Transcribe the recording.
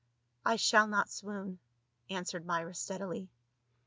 " I shall not swoon," answered Myra steadily.